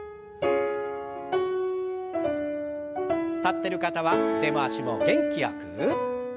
立ってる方は腕回しも元気よく。